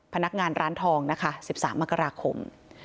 พนักงานร้านทองนะคะ๑๓มกราคม